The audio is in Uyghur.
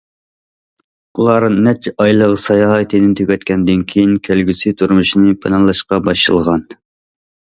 ئۇلار نەچچە ئايلىق ساياھىتىنى تۈگەتكەندىن كېيىن كەلگۈسى تۇرمۇشىنى پىلانلاشقا باشلىغان.